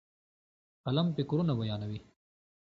قلم فکرونه بیانوي.